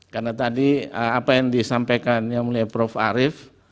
karena tadi apa yang disampaikan yang mulia prof arief